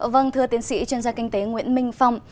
vâng thưa tiến sĩ chuyên gia kinh tế nguyễn minh phong